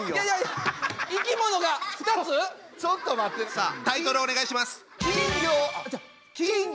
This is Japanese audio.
さあタイトルをお願いします。